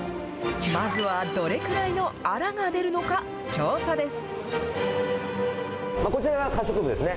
まずはどれくらいのアラが出るのか調査です。